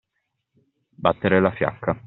Battere la fiacca.